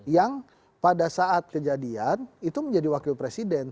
yang pada saat kejadian itu menjadi wakil presiden